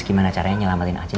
gimana caranya nyelamatin acil